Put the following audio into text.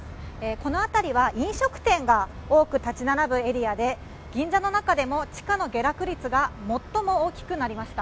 このあたりは飲食店が多く建ち並ぶエリアで、銀座の中でも地価の下落率がもっとも大きくなりました。